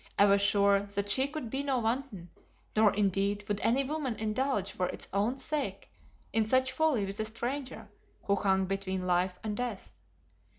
I was sure that she could be no wanton, nor indeed would any woman indulge for its own sake in such folly with a stranger who hung between life and death.